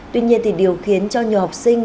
tuy nhiên thì điều khiến cho nhiều học sinh